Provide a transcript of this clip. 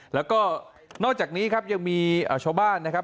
แล้วก็นอกจากนี้ครับยังมีชาวบ้านนะครับ